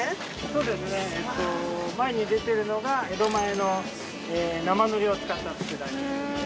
そうですね前に出てるのが江戸前の生のりを使った佃煮。